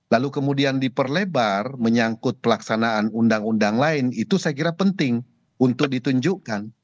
lalu kemudian diperlebar menyangkut pelaksanaan undang undang lain itu saya kira penting untuk ditunjukkan